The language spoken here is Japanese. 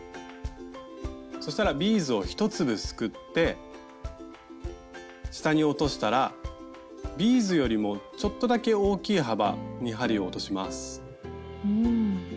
そしたらビーズを１粒すくって下に落としたらビーズよりもちょっとだけ大きい幅に針を落とします。